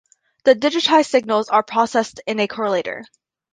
The digitized signals are processed in a correlator.